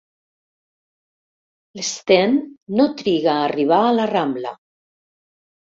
L'Sten no triga a arribar a la Rambla.